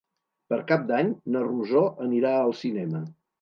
Per Cap d'Any na Rosó anirà al cinema.